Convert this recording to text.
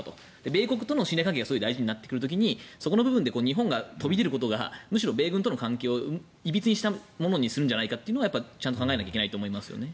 米国との信頼関係がすごく大事になってくる時にそこの部分で日本が飛び出ることがむしろ米軍との関係をいびつなものにするんじゃないかなというのはちゃんと考えないといけないと思いますよね。